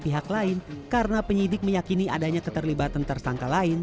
pihak lain karena penyidik meyakini adanya keterlibatan tersangka lain